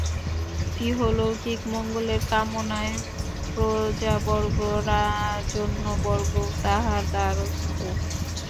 ইহলৌকিক মঙ্গলের কামনায় প্রজাবর্গ, রাজন্যবর্গও তাঁহার দ্বারস্থ।